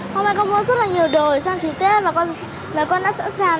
hôm nay con mua rất là nhiều đồ trang trí tết và con đã sẵn sàng để đón tết với gia đình